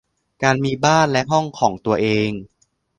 การมีบ้านและห้องของตัวเอง